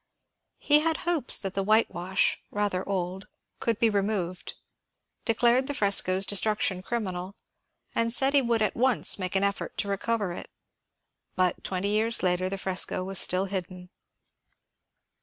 He had hopes that the whitewash (rather old) could be removed, declared the fresco's destruction criminal, and said he would at once make an effort to recover it. But twenty years later the fresco was stiU hidden.